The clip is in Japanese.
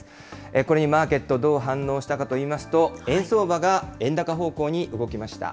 これにマーケット、どう反応したかといいますと、円相場が円高方向に動きました。